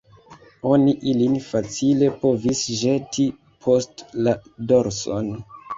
Oni ilin facile povis ĵeti post la dorson.